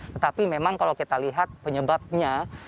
tetapi memang kalau kita lihat penyebabnya